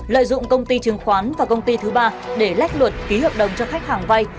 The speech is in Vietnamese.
lợi dụng công ty chứng khoán và công ty thứ ba để lách luật ký hợp đồng cho khách hàng vay